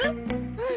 うん？